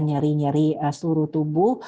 nyeri nyeri seluruh tubuh